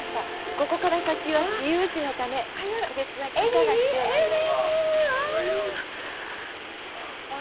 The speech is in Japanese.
ここから先は私有地のため特別な許可が必要なんです。